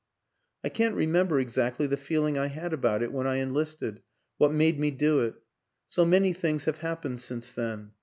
" I can't remember exactly the feeling I had about it when I enlisted what made me do it. So many things have happened since then.